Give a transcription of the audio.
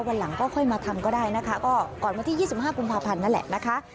วันหลังก็ค่อยมาทำก็ได้นะคะก็ก่อนวันที่๒๕กุมภาพันธ์นั่นแหละนะคะ